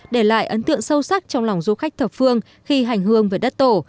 để lại ấn tượng sâu sắc trong lòng du khách thập phương khi hành hương về đất tổ